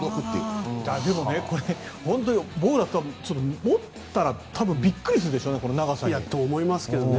でも、僕だったら持ったら多分びっくりするでしょうねと、思いますけどね。